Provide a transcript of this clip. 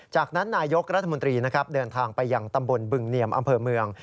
จากนั้นนายกรัฐมนตรีนะครับเดินทางไปยังตำบลบึงเนียมอำเภอเมือง